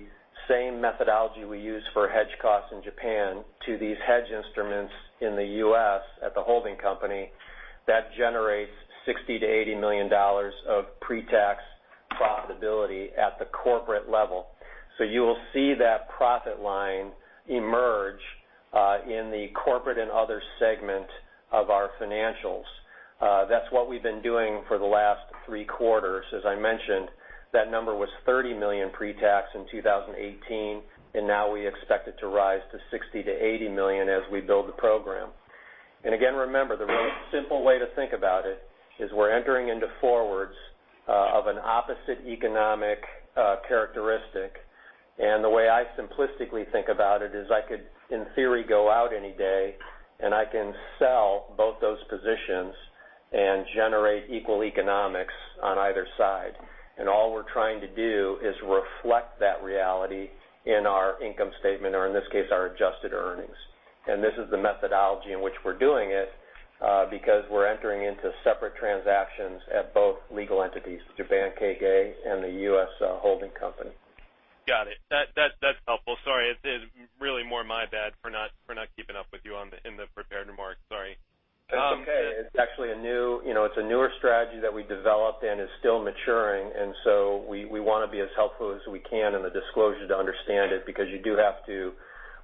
same methodology we use for hedge costs in Japan to these hedge instruments in the U.S. at the holding company, that generates $60 million-$80 million of pre-tax profitability at the corporate level. You will see that profit line emerge in the Corporate and Other segment of our financials. That's what we've been doing for the last three quarters. As I mentioned, that number was $30 million pre-tax in 2018, now we expect it to rise to $60 million-$80 million as we build the program. Again, remember, the real simple way to think about it is we're entering into forwards of an opposite economic characteristic. The way I simplistically think about it is I could, in theory, go out any day and I can sell both those positions and generate equal economics on either side. All we're trying to do is reflect that reality in our income statement, or in this case, our Adjusted Earnings. This is the methodology in which we're doing it because we're entering into separate transactions at both legal entities, Japan K.K. and the U.S. holding company. Got it. That's helpful. Sorry, it's really more my bad for not keeping up with you in the prepared remarks. Sorry. That's okay. It's a newer strategy that we developed and is still maturing. We want to be as helpful as we can in the disclosure to understand it because you do have to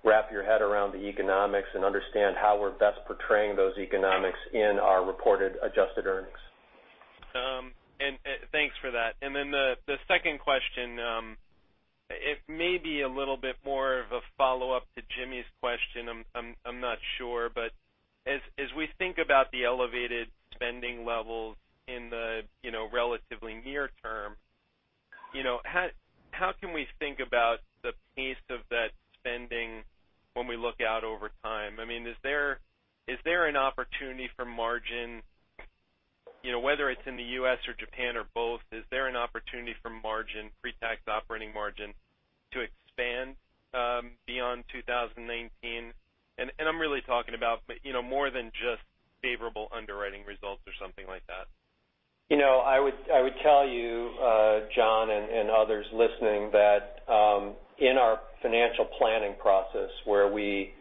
wrap your head around the economics and understand how we're best portraying those economics in our reported adjusted earnings. Thanks for that. The second question, it may be a little bit more of a follow-up to Jimmy's question, I'm not sure. As we think about the elevated spending levels in the relatively near term, how can we think about the pace of that spending when we look out over time? Is there an opportunity for margin, whether it's in the U.S. or Japan or both, is there an opportunity for margin, pre-tax operating margin to expand beyond 2019? I'm really talking about more than just favorable underwriting results or something like that. I would tell you, John, and others listening that in our financial planning process where we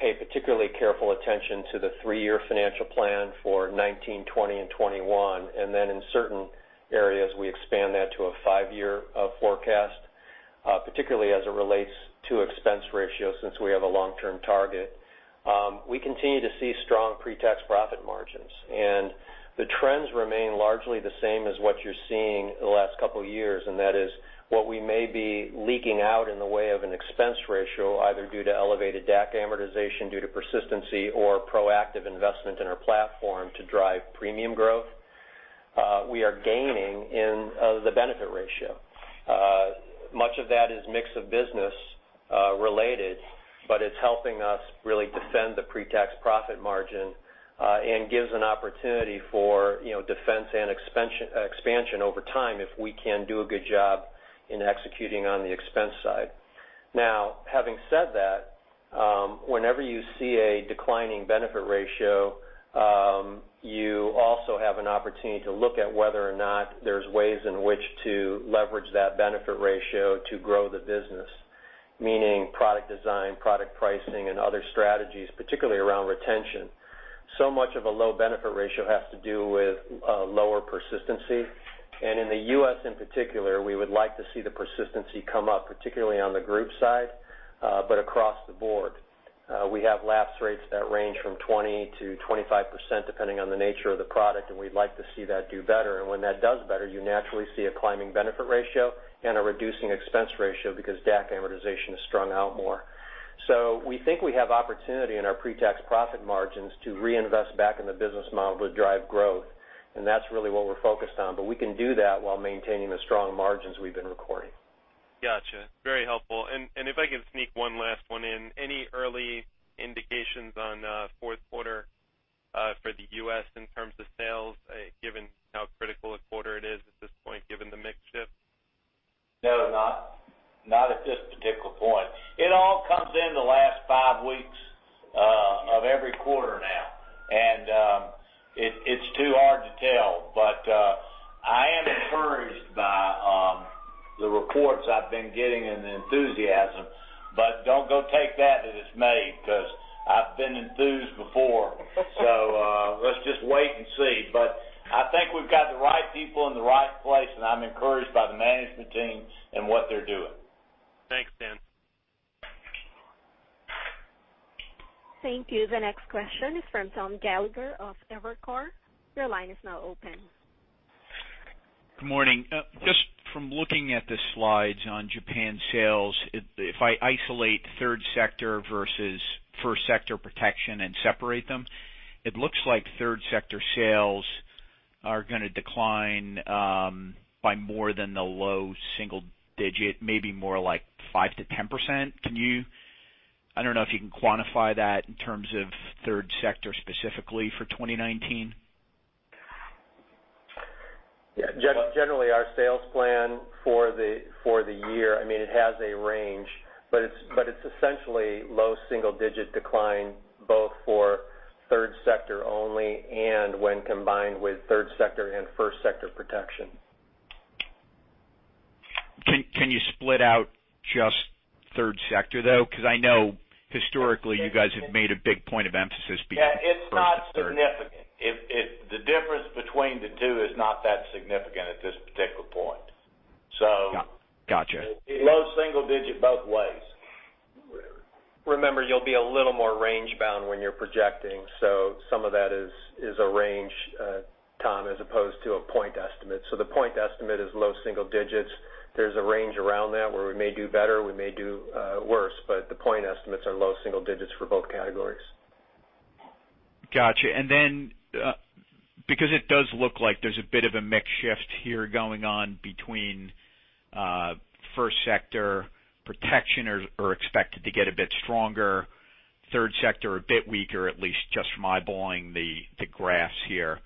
pay particularly careful attention to the three-year financial plan for 2019, 2020, and 2021, and then in certain areas we expand that to a five-year forecast, particularly as it relates to expense ratio since we have a long-term target. We continue to see strong pre-tax profit margins, and the trends remain largely the same as what you're seeing the last couple of years, and that is what we may be leaking out in the way of an expense ratio, either due to elevated DAC amortization due to persistency or proactive investment in our platform to drive premium growth, we are gaining in the benefit ratio. Much of that is mix of business related, but it's helping us really defend the pre-tax profit margin, and gives an opportunity for defense and expansion over time if we can do a good job in executing on the expense side. Having said that, whenever you see a declining benefit ratio, you also have an opportunity to look at whether or not there's ways in which to leverage that benefit ratio to grow the business. Meaning product design, product pricing, and other strategies, particularly around retention. Much of a low benefit ratio has to do with lower persistency, and in the U.S. in particular, we would like to see the persistency come up, particularly on the group side, but across the board. We have lapse rates that range from 20%-25%, depending on the nature of the product. We'd like to see that do better. When that does better, you naturally see a climbing benefit ratio and a reducing expense ratio because DAC amortization is strung out more. We think we have opportunity in our pre-tax profit margins to reinvest back in the business model to drive growth, and that's really what we're focused on. We can do that while maintaining the strong margins we've been recording. Got you. Very helpful. If I could sneak one last one in. Any early indications on fourth quarter for the U.S. in terms of sales, given how critical a quarter it is at this point, given the mix shift? No, not at this particular point. It all comes in the last 5 weeks of every quarter now, and it's too hard to tell. I am encouraged by the reports I've been getting and the enthusiasm. Don't go take that as it's made, because I've been enthused before. Let's just wait and see. I think we've got the right people in the right place, and I'm encouraged by the management team and what they're doing. Thanks, Dan. Thank you. The next question is from Tom Gallagher of Evercore. Your line is now open. Good morning. Just from looking at the slides on Japan sales, if I isolate third sector versus first sector protection and separate them, it looks like third sector sales are going to decline by more than the low single digit, maybe more like 5%-10%. I don't know if you can quantify that in terms of third sector specifically for 2019. Generally, our sales plan for the year, it has a range. It's essentially low single digit decline, both for third sector only and when combined with third sector and first sector protection. Can you split out just third sector, though? I know historically you guys have made a big point of emphasis between first and third. Yeah, it's not significant. The difference between the two is not that significant at this particular point. Got you. low single digit both ways. Remember, you'll be a little more range bound when you're projecting. Some of that is a range, Tom, as opposed to a point estimate. The point estimate is low single digits. There's a range around that where we may do better, we may do worse, but the point estimates are low single digits for both categories. Got you. Then, because it does look like there's a bit of a mix shift here going on between first sector protection are expected to get a bit stronger, third sector a bit weaker, at least just from eyeballing the graphs here.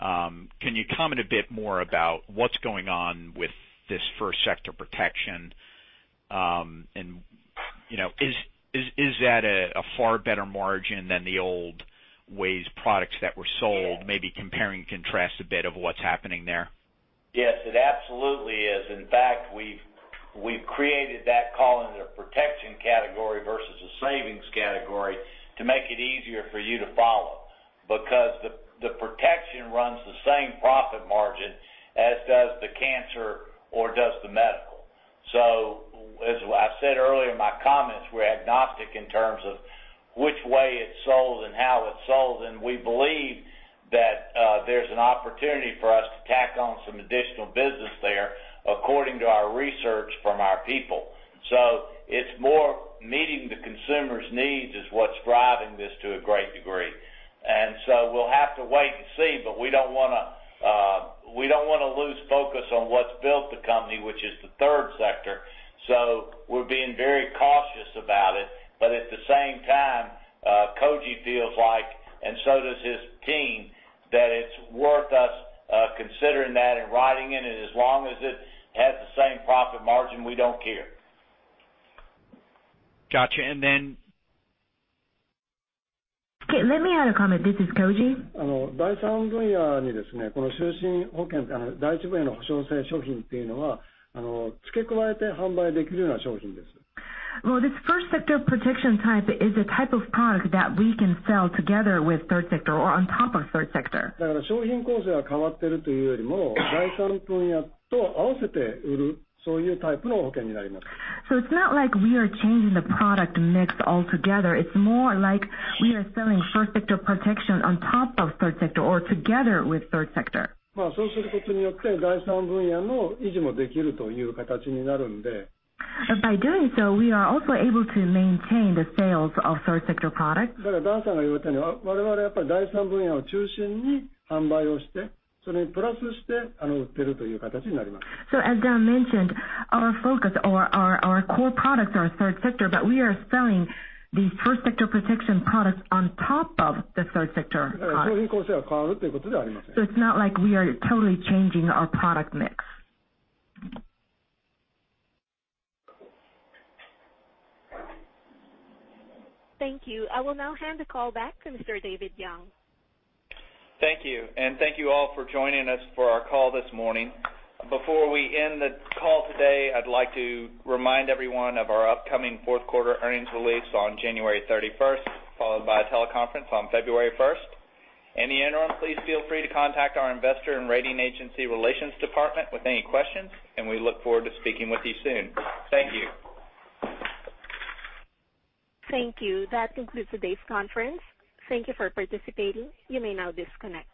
Can you comment a bit more about what's going on with this first sector protection? Is that a far better margin than the old ways products that were sold? Maybe compare and contrast a bit of what's happening there. Yes, it absolutely is. In fact, we've created that column in a protection category versus a savings category to make it easier for you to follow. The protection runs the same profit margin as does the cancer or does the medical. As I said earlier in my comments, we're agnostic in terms of which way it's sold and how it's sold, and we believe that there's an opportunity for us to tack on some additional business there according to our research from our people. It's more meeting the consumer's needs is what's driving this to a great degree. We'll have to wait and see, but we don't want to lose focus on what's built the company, which is the third sector. We're being very cautious about it. At the same time, Koji feels like, and so does his team, that it's worth us considering that and riding it, and as long as it has the same profit margin, we don't care. Got you. Okay, let me add a comment. This is Koji. Well, this first sector protection type is a type of product that we can sell together with third sector or on top of third sector. It's not like we are changing the product mix altogether. It's more like we are selling first sector protection on top of third sector or together with third sector. By doing so, we are also able to maintain the sales of third sector products. As Dan mentioned, our focus or our core products are third sector, but we are selling these first sector protection products on top of the third sector products. It's not like we are totally changing our product mix. Thank you. I will now hand the call back to Mr. David Young. Thank you. Thank you all for joining us for our call this morning. Before we end the call today, I'd like to remind everyone of our upcoming fourth quarter earnings release on January 31st, followed by a teleconference on February 1st. In the interim, please feel free to contact our investor and rating agency relations department with any questions. We look forward to speaking with you soon. Thank you. Thank you. That concludes today's conference. Thank you for participating. You may now disconnect.